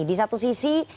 di satu sisi